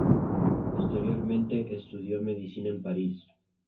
Posteriormente estudió Medicina en París.